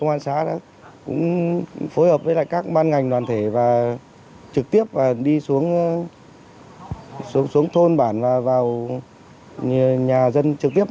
công an xã đã cũng phối hợp với các ban ngành đoàn thể và trực tiếp đi xuống xuống thôn bản và vào nhà dân trực tiếp